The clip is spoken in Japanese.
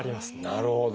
なるほど。